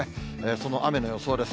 その雨の予想です。